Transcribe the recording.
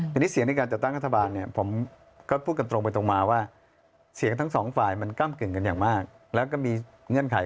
ทีนี้เสียงในการจัดตั้งรัฐบาลผมก็พูดกันตรงไปตรงมาว่า